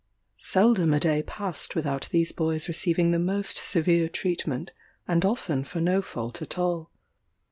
Seldom a day passed without these boys receiving the most severe treatment, and often for no fault at all.